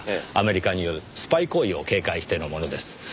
アメリカによるスパイ行為を警戒してのものです。